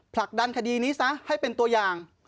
ผลักดันคดีนี้ซะให้เป็นตัวอย่าง